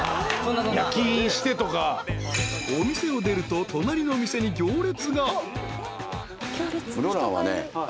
［お店を出ると隣の店に行列が］